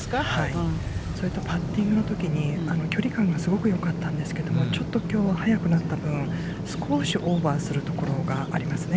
それとパッティングのときに、距離感がすごくよかったんですけど、ちょっときょうは速くなった分、少しオーバーするところがありますね。